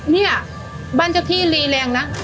เนี่ยบ้านเจ้าที่รีแรงนะ